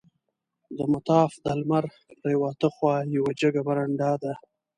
د مطاف د لمر پریواته خوا یوه جګه برنډه ده.